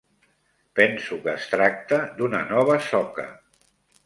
Penso que es tracta d'una nova soca.